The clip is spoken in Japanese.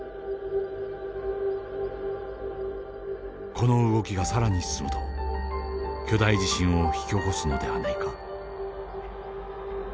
この動きが更に進むと巨大地震を引き起こすのではないか。